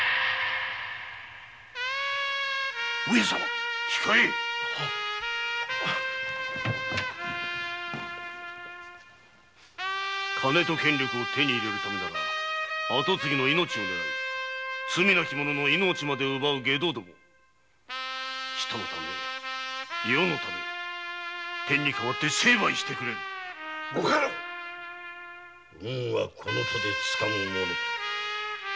上様控えい「金と権力」を手に入れるためなら跡継ぎの命をねらい罪なき者の命まで奪う外道ども人のため世のため天に代わって成敗してくれる運はこの手でつかむもの。